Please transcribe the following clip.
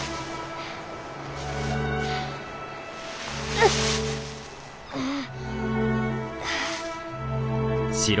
うっああ。